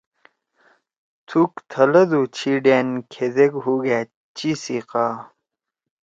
تُھوک تھلَدُو چھی ڈأن کھیدیک ہُوگأدچی سیِقا